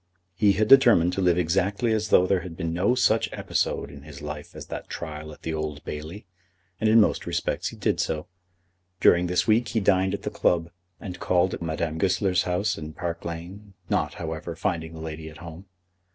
He had determined to live exactly as though there had been no such episode in his life as that trial at the Old Bailey, and in most respects he did so. During this week he dined at the club, and called at Madame Goesler's house in Park Lane, not, however, finding the lady at home.